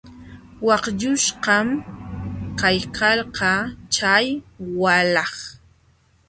Waqlluśhqam kaykalkaa chay walah.